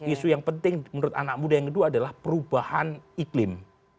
isu yang penting menurut anak muda yang kedua adalah perubahan iklim